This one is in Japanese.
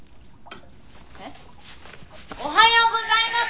えっ？おはようございます！